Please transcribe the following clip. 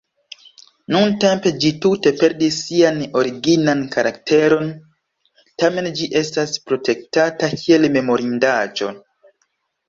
Nuntempe ĝi tute perdis sian originan karakteron, tamen ĝi estas protektata kiel memorindaĵo.